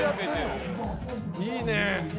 いいね！